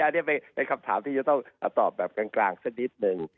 อันนี้เป็นคำถามที่จะต้องตอบแบบกลางสักนิดนึง